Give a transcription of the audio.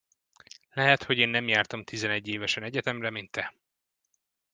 Lehet, hogy én nem jártam tizenegy évesen egyetemre, mint te.